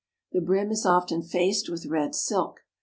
The brim is often faced with red silk.